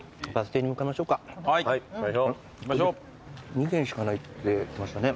２軒しかないって言ってましたね。